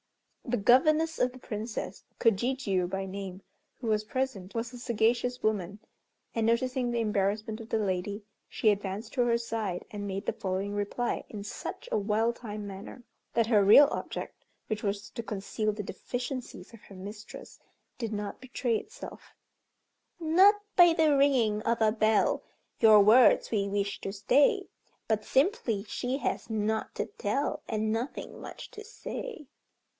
The governess of the Princess, Kojijiû by name, who was present, was a sagacious woman, and noticing the embarrassment of the lady, she advanced to her side, and made the following reply in such a well timed manner that her real object, which was to conceal the deficiencies of her mistress, did not betray itself "Not by the ringing of a bell, Your words we wish to stay; But simply, she has nought to tell, And nothing much to say."